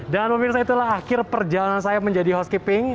dan pemirsa itulah akhir perjalanan saya menjadi housekeeping